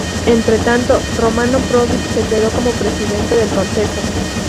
Entre tanto, Romano Prodi, se quedó como presidente del Consejo.